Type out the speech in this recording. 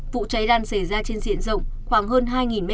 vụ cháy đang xảy ra trên diện rộng khoảng hơn hai m hai